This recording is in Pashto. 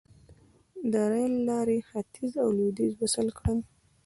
د ریل لارې ختیځ او لویدیځ وصل کړل.